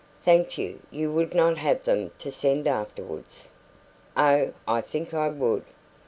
"Thank you. You would not have them to send afterwards." "Oh, I think I would."